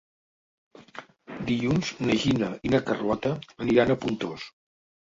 Dilluns na Gina i na Carlota aniran a Pontós.